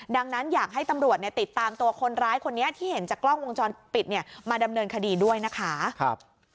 ดังนั้นอยากให้ตำรวจเนี่ยติดตามตัวคนร้ายคนนี้ที่เห็นจากกล้องวงจรปิดเนี่ยมาดำเนินคดีด้วยนะคะ